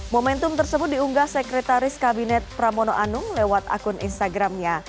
momentum tersebut diunggah sekretaris kabinet pramono anung lewat akun instagramnya